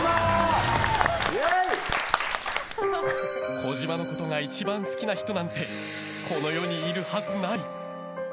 児嶋のことが一番好きな人なんてこの世にいるはずない。